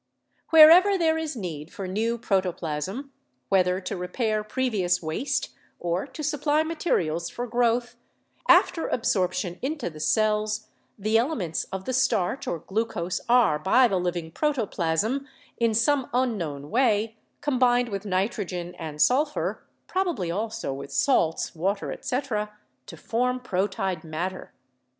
Wherever there is need for new protoplasm, whether to repair previous waste or to supply materials for growth, after absorption into the cells the elements of the starch (or glucose) are, by the living protoplasm, in some LIFE PROCESSES 113 unknown way combined with nitrogen and sulphur (prob ably also with salts, water, etc.) to form proteid matter.